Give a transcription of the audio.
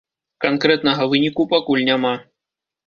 Канкрэтнага выніку пакуль няма.